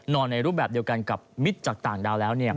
ในรูปแบบเดียวกันกับมิตรจากต่างดาวแล้ว